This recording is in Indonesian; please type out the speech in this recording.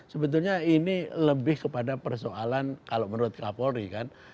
sebetulnya ini lebih kepada persoalan kalau menurut kapolri kan